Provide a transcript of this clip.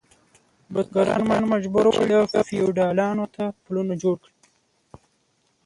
بزګران مجبور ول چې فیوډالانو ته پلونه جوړ کړي.